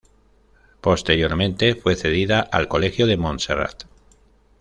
Posteriormente, fue cedida al Colegio de Monserrat.